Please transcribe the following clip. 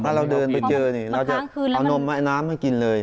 ถ้าเราเดินไปเจอเอานมไหม้น้ำให้กินเลย